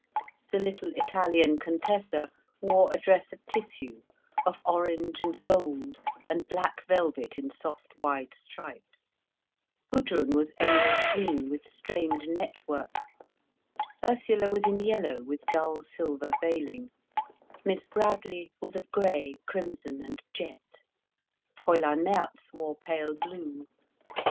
The little Italian Contessa wore a dress of tissue, of orange and gold and black velvet in soft wide stripes, Gudrun was emerald green with strange net work, Ursula was in yellow with dull silver veiling, Miss Bradley was of grey, crimson and jet, Fräulein März wore pale blue.